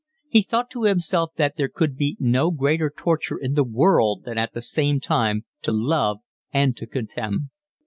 He thought to himself that there could be no greater torture in the world than at the same time to love and to contemn.